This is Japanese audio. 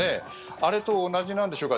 あれと同じなんでしょうか？